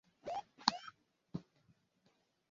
O mere ka a mara na e nwetere ótù nsụnsụ egbe n'aka ndị ahụ